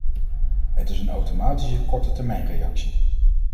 Het is een automatische kortetermijnreactie.